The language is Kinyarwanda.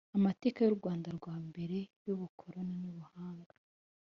amateka y u Rwanda rwa mbere y ubukoroni n ubuhanga